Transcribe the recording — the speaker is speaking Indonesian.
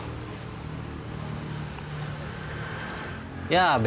ya beda lagi produknya